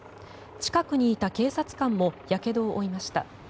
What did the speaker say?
近くにいた警察官もやけどを負いました。